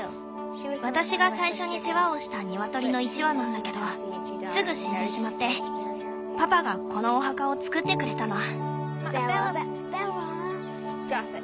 私が最初に世話をしたニワトリの１羽なんだけどすぐ死んでしまってパパがこのお墓を作ってくれたの。